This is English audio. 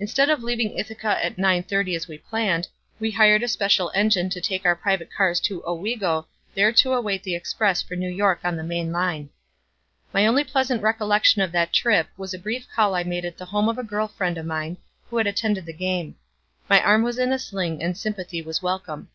Instead of leaving Ithaca at 9:30 as we had planned, we hired a special engine to take our private cars to Owego there to await the express for New York on the main line. My only pleasant recollection of that trip was a brief call I made at the home of a girl friend of mine, who had attended the game. My arm was in a sling and sympathy was welcome.